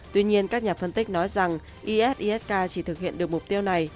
tuy nhiên các nhà phân tích nói rằng es isk chỉ thực hiện được mục tiêu này